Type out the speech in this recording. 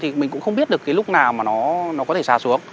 thì mình cũng không biết được cái lúc nào mà nó có thể xà xuống